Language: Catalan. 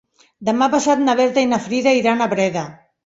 Demà passat na Berta i na Frida iran a Breda.